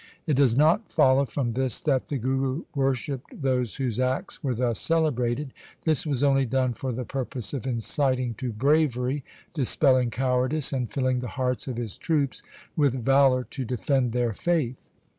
It does not follow from this that the Guru worshipped those whose acts were thus cele brated ; this was only done for the purpose of inciting to bravery, dispelling cowardice, and filling the hearts of his troops with valour to defend their faith.